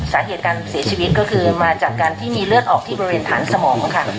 สาเหตุการเสียชีวิตก็คือมาจากการที่มีเลือดออกที่บริเวณฐานสมองค่ะ